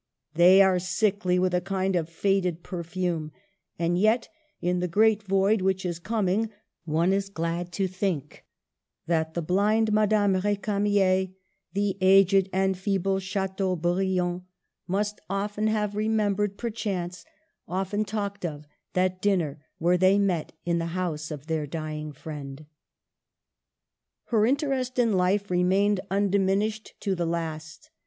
They are sickly with a kind of faded perfume; and yet in the great void which is coming, one is glad to think that the blind Madame R£camier, the aged and feeble Chateaubriand, must often have Digitized by VjOOQIC 202 MADAME DE STAjSL. remembered, perchance often talked of, that din ner where they met in the house of their dying friend. Her interest in life remained undiminished to the last.